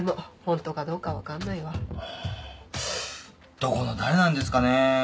どこの誰なんですかね？